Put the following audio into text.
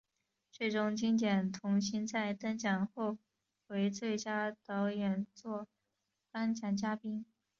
最终经典童星在登场后为最佳导演作颁奖嘉宾。